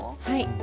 はい。